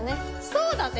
そうだね。